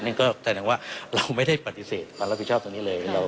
นี่ก็แสดงว่าเราไม่ได้ปฏิเสธความรับผิดชอบตรงนี้เลย